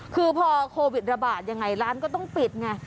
คือพอโควิดระบาดยังไงร้านก็ต้องปิดไง